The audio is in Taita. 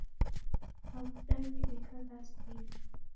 Mavuda ghedeka ghasia.